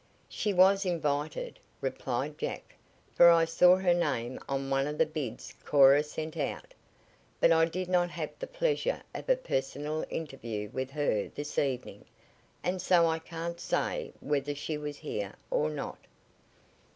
"She was invited," replied Jack, "for I saw her name on one of the bids Cora sent out. But I did not have the pleasure of a personal interview with her this evening, and so I can't say whether she was here or not."